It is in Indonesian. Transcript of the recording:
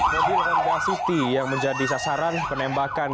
mobil city yang menjadi sasaran penembakan